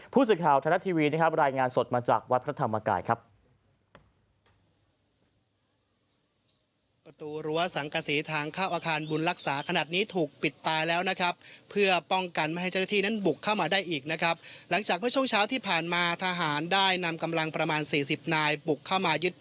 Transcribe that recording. ผู้สึกข่าวธนาทีวีรายงานสดมาจากวัดพระธรรมกาย